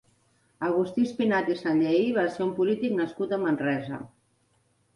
Agustí Espinalt i Sanllehí va ser un polític nascut a Manresa.